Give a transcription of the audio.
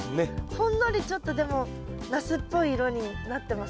ほんのりちょっとでもナスっぽい色になってません？